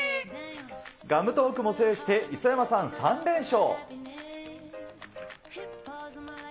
ガムトークも制して、磯山さん３連勝。